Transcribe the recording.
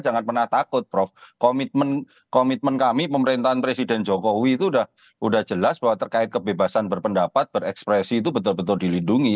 jangan pernah takut prof komitmen kami pemerintahan presiden jokowi itu sudah jelas bahwa terkait kebebasan berpendapat berekspresi itu betul betul dilindungi